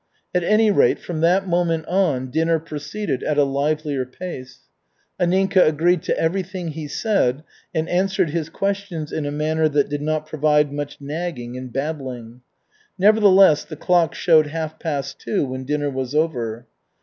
At any rate, from that moment on dinner proceeded at a livelier pace. Anninka agreed to everything he said and answered his questions in a manner that did not provoke much nagging and babbling. Nevertheless, the clock showed half past two when dinner was over.